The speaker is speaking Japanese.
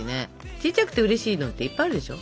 ちっちゃくてうれしいのっていっぱいあるでしょ？